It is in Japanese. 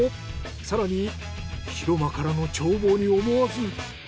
更に広間からの眺望に思わず。